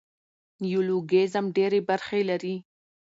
نیولوګیزم ډېري برخي لري.